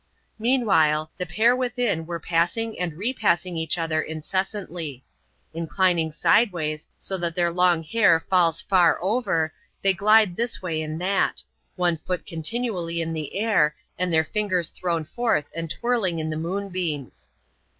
Meanwhile, the pair within are passing and repassing each other incessantly. Inclining sideways, so that their long hair falls far over, they glide this way and that; one foot con tinually in the air, and their fingers thrown forth, and twirling in the moonbeams.